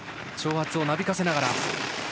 長髪をなびかせながら。